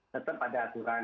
tetap ada aturan